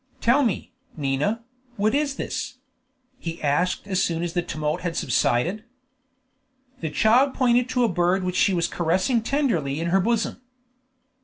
"Tell me, Nina, what is this?" he asked as soon as the tumult had subsided. The child pointed to a bird which she was caressing tenderly in her bosom.